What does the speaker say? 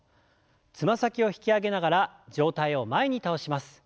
つま先を引き上げながら上体を前に倒します。